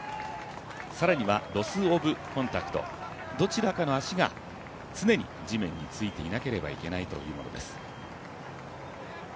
さらにはロス・オブ・コンタクトどちらかの足が常に地面についていなければいけないというものです。